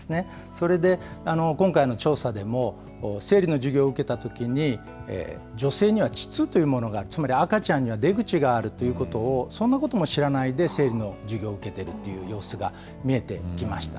それで今回の調査でも、生理の授業を受けたときに、女性には膣というものが、つまり赤ちゃんには出口があるということを、そんなことも知らないで、生理の授業を受けているという様子が見えてきました。